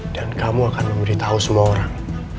dan kamu akan memberitahu semua orang